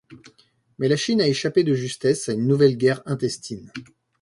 Mais la Chine a échappé de justesse à une nouvelle guerre intestine.